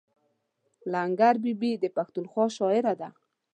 لنګر بي بي د پښتونخوا شاعره ده.